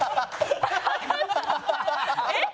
えっ？